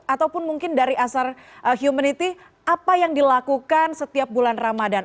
ataupun mungkin dari asar humanity apa yang dilakukan setiap bulan ramadan